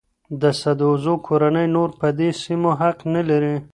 د سدوزو کورنۍ نور په دې سیمو حق نه لري.